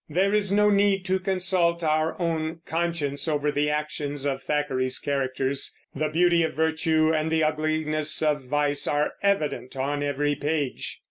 There is no need to consult our own conscience over the actions of Thackeray's characters; the beauty of virtue and the ugliness of vice are evident on every page.